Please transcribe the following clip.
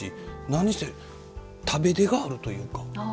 何せ、食べでがあるというか。